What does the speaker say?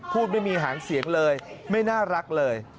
พูดไม่มีหางเสียงเลยไม่น่ารักเลย